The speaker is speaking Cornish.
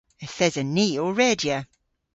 Yth esen ni ow redya.